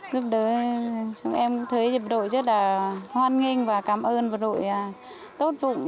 lúc đó chúng em thấy đội rất là hoan nghênh và cảm ơn đội tốt vụng